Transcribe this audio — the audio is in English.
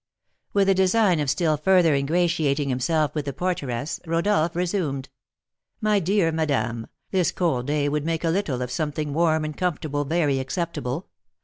With the design of still further ingratiating himself with the porteress, Rodolph resumed: "My dear madame, this cold day would make a little of something warm and comfortable very acceptable.